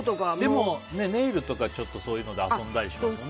でも、ネイルとかそういうので遊んだりはしますよね。